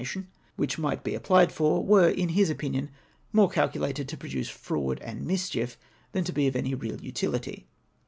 297 mation, which might be applied for, were, in his opinion, more calculated to produce fraud and mischief than to he of any real utility.